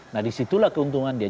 nah disitulah keuntungan dia